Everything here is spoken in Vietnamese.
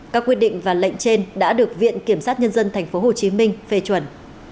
các quyết định và lệnh trên đã được viện kiểm sát nhân dân tp hcm phê chuẩn